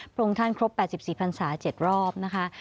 พระพรงท่านครบ๘๔ภรรษาเสิดรอบนะคะ